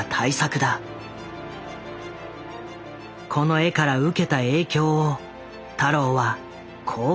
この絵から受けた影響を太郎はこう語っている。